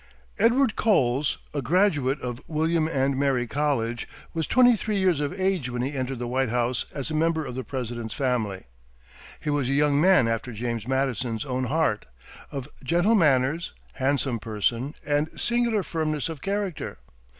Edward Coles, a graduate of William and Mary college, was twenty three years of age when he entered the White House as a member of the President's family. He was a young man after James Madison's own heart, of gentle manners, handsome person, and singular firmness of character.